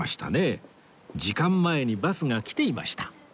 時間前にバスが来ていました